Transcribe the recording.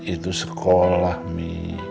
itu sekolah mi